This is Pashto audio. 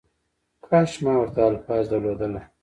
کاش ما ورته الفاظ درلودلای